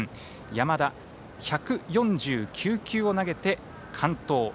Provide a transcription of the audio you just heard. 山田１４９球を投げて完投。